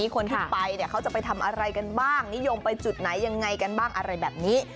คนที่ไปเนี่ยเขาจะไปทำอะไรกันบ้างนิยมไปจุดไหนยังไงกันบ้างอะไรแบบนี้